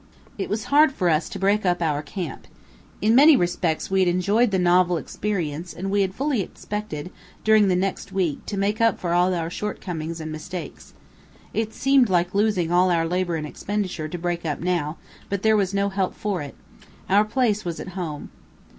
It was hard for us to break up our camp. In many respects we had enjoyed the novel experience, and we had fully expected, during the next week, to make up for all our short comings and mistakes. It seemed like losing all our labor and expenditure, to break up now, but there was no help for it. Our place was at home.